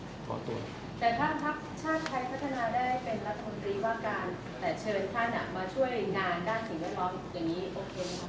แต่เชิญท่านอ่ะมาช่วยงานการสิ่งเรื่องรอบอย่างนี้โอเคไหมครับ